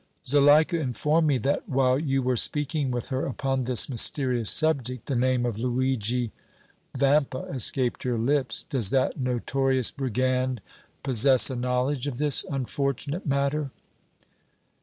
"Zuleika informed me that, while you were speaking with her upon this mysterious subject, the name of Luigi Vampa escaped your lips. Does that notorious brigand posses a knowledge of this unfortunate matter?"